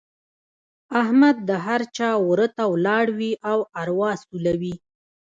احمد د هر چا وره ته ولاړ وي او اروا سولوي.